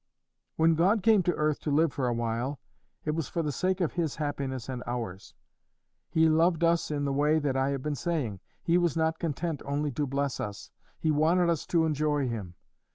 When God came to earth to live for awhile, it was for the sake of His happiness and ours; He loved us in the way that I have been saying; He was not content only to bless us, He wanted us to enjoy Him.